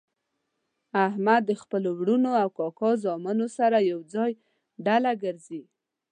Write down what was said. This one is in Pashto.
احمد د خپلو ورڼو او کاکا زامنو سره ېوځای ډله ګرځي.